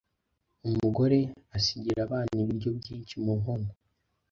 umugore asigira abana ibiryo byinshi mu nkono.